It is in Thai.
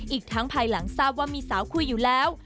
อีกทั้งภายหลังทราบว่ามีสาวคุยอยู่แล้ว